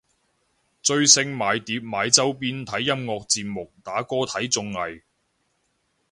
追星買碟買周邊睇音樂節目打歌睇綜藝